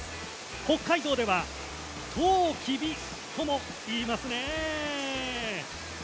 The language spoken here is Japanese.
北海道ではとうきびとも言いますね。